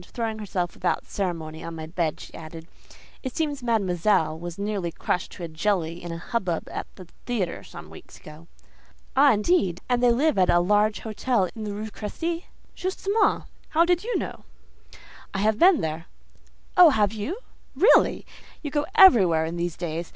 Throwing herself without ceremony on my bed she added, "It seems Mademoiselle was nearly crushed to a jelly in a hubbub at the theatre some weeks ago." "Ah! indeed. And they live at a large hotel in the Rue Crécy?" "Justement. How do you know?" "I have been there." "Oh, you have? Really! You go everywhere in these days.